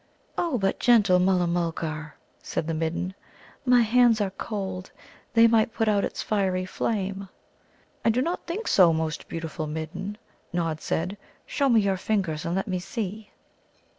"Oh, but, gentle Mulla mulgar," said the Midden, "my hands are cold; they might put out its fiery flame." "I do not think so, most beautiful Midden," Nod said. "Show me your fingers, and let me see."